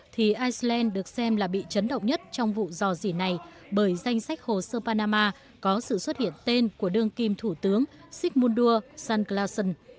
portland được xem là bị chấn động nhất trong vụ dò dỉ này bởi danh sách hồ sơ panama có sự xuất hiện tên của đương kim thủ tướng sigmundur sanklasen